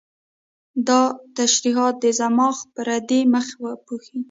دا ترشحات د صماخ پردې مخ وپوښي.